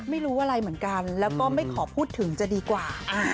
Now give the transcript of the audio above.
ไม่รู้อะไรเหมือนกันแล้วก็ไม่ขอพูดถึงจะดีกว่า